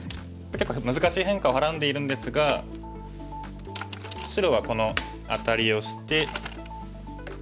結構難しい変化をはらんでいるんですが白はこのアタリをして。